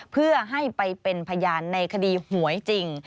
เพื่อให้ไปเป็นพยานในคดีหวยจริง